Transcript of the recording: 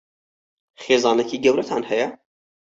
خێزانێکی گەورەتان هەیە؟